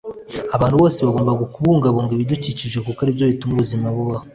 Abantu bose bagomba kubungabunga ibidukikije kuko ari byo bituma ubuzima bubaho